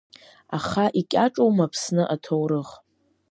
Аха икьаҿума Аԥсны аҭоурых?